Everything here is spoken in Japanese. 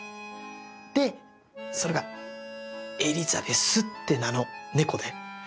でそれがエリザベスって名の猫で。